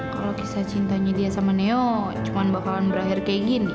kalau kisah cintanya dia sama neo cuma bakalan berakhir kayak gini